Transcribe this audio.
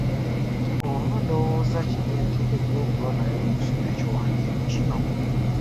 Oba ndowooza ki gye nteekeddwa okuba nayo mu kusoma ekiwandiiko kino?